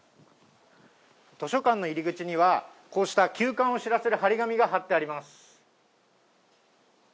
図書館の入り口には、こうした休館を知らせる貼り紙が貼ってあります。